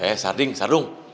eh sarding sardung